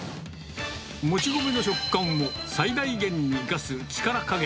もち米の食感を最大限に生かす力加減。